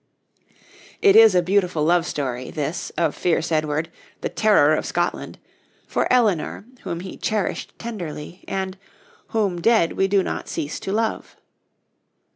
It is a beautiful love story this, of fierce Edward, the terror of Scotland, for Eleanor, whom he 'cherished tenderly,' and 'whom dead we do not cease to love.'